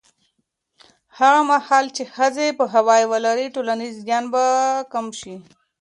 هغه مهال چې ښځې پوهاوی ولري، ټولنیز زیان به کم شي.